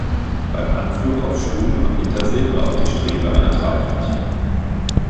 Beim Anflug auf Stuhm am Hintersee brach die Strebe einer Tragfläche.